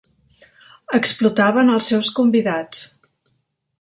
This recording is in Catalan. Explotaven el seus convidats.